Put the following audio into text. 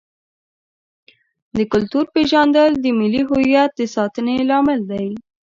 د کلتور پیژندل د ملي هویت د ساتنې لامل دی.